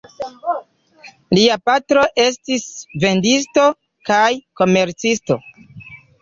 Lia patro estis vendisto kaj komercisto.